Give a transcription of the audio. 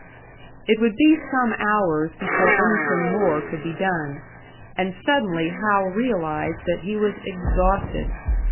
It would be some hours before anything more could be done; and suddenly Hal realised that he was exhausted.